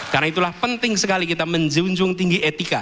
karena itulah penting sekali kita menjunjung tinggi etika